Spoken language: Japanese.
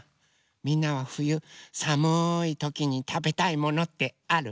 みんなはふゆさむいときにたべたいものってある？